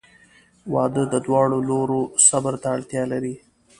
• واده د دواړو لورو صبر ته اړتیا لري.